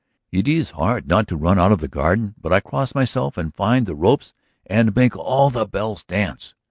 It is hard not to run out of the garden. But I cross myself and find the ropes and make all the bells dance.